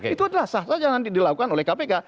itu adalah sah saja nanti dilakukan oleh kpk